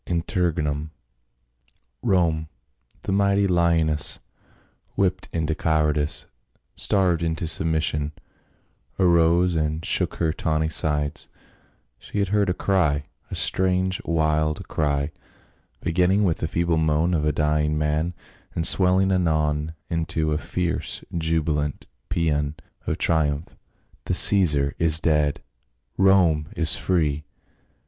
INTERREGNUM. ROME, the mighty honess, whipped into cowardice, starved into submission, arose and shook her tawny sides ; she had heard a cry, a strange wild cr}% beginning with the feeble moan of a dying man, and swelling anon into a fierce jubilant paean of triumph. " The Caesar is dead ! Rome is free